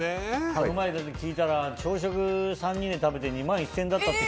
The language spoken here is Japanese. この前、聞いたら朝食で３人で食べて２万１０００円だったって。